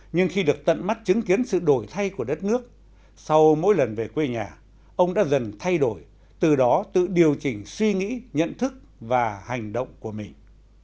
nhưng khi được tận mắt chứng kiến sự đổi thay của đất nước sau mỗi lần về quê nhà ông đã dần thay đổi từ đó tự điều chỉnh suy nghĩ nhận thức và hành động của mình